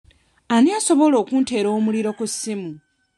Ani asobola okunteera omuliro ku ssimu?